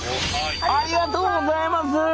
ありがとうございます！